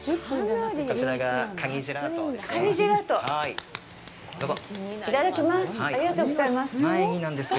こちらが、かにジェラートですね。